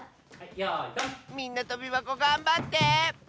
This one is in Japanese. みんなとびばこがんばって！